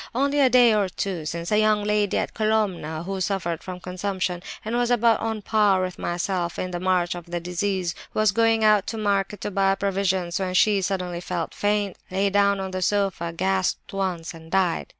Only a day or two since a young lady at Colomna who suffered from consumption, and was about on a par with myself in the march of the disease, was going out to market to buy provisions, when she suddenly felt faint, lay down on the sofa, gasped once, and died.